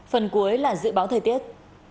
phần cuối là dự báo thời tiết